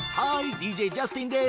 ＤＪジャスティンです。